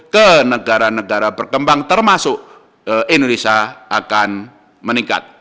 ke negara negara berkembang termasuk indonesia akan meningkat